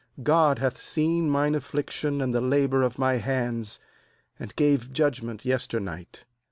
God hath seen mine affliction and the labour of my hands, and gave judg ment yesternight.'